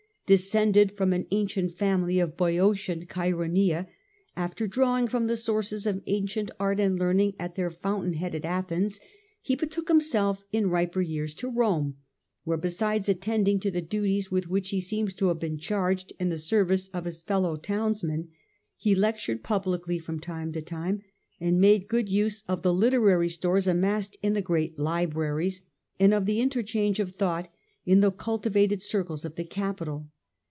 Descended from an ancient family of the Boeotian Chxroneia, 'after drawing from the sources of ancient art and learning at their fountain head at Athens, he betook himself in riper years to Rome, where, besides attending to the duties with which he seems to have been charged in the service of his fellow townsmen, he lectured publicly from time to time, and made good use of the literary stores amassed in the great libraries, and of the interchange of thought in the culti vated circles of the capital.